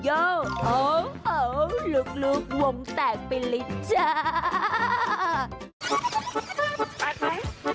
โอ้โหลุกวงแตกเป็นฤทธิ์จ้า